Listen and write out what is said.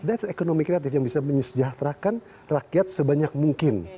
that's ekonomi kreatif yang bisa menyejahterakan rakyat sebanyak mungkin